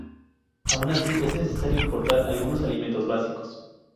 Aun así es necesario importar algunos alimentos básicos.